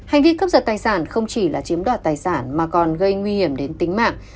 hành vi cướp giật tài sản không chỉ là chiếm đoạt tài sản mà còn gây nguy hiểm đến tính mạng